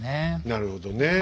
なるほどね。